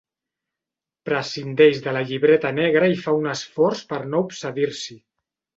Prescindeix de la llibreta negra i fa un esforç per no obsedir-s'hi.